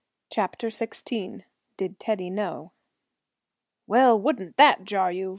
'" CHAPTER XVI DID TEDDY KNOW? "Well, wouldn't that jar you?"